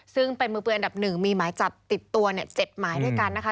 ซึ่งเป็นมือปืนอันดับ๑มีหมายจับติดตัว๗หมายด้วยกันนะคะ